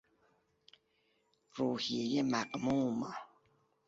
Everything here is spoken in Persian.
روحیهی مغموم